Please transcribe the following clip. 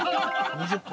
２０個。